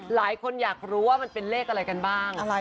หลายคนอยากรู้ว่ามันเป็นเลขอะไรกันบ้าง